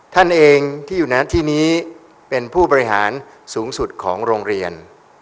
ท่านเองที่อยู่ในที่นี้เป็นผู้บริหารสูงสุดของโรงเรียน